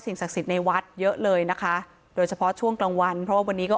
ศักดิ์สิทธิ์ในวัดเยอะเลยนะคะโดยเฉพาะช่วงกลางวันเพราะว่าวันนี้ก็